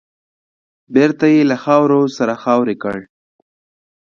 بېرته يې له خاورو سره خاورې کړ .